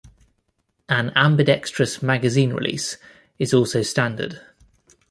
An ambidextrous magazine release is also standard.